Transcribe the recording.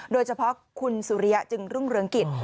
โดยเฉพาะคุณสุริยะจึงรุ่งเรืองกิจ